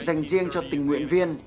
dành riêng cho tình nguyện viên